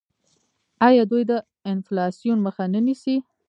آیا دوی د انفلاسیون مخه نه نیسي؟